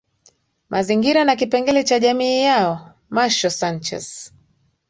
mazingira na kipengele cha jamii yao Marcial Sanchez